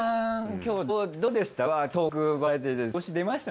今日どうでした？